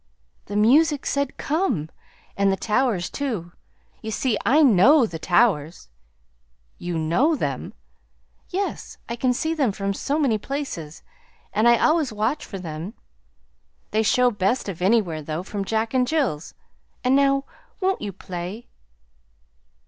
"The music said 'come'; and the towers, too. You see, I KNOW the towers." "You KNOW them!" "Yes. I can see them from so many places, and I always watch for them. They show best of anywhere, though, from Jack and Jill's. And now won't you play?"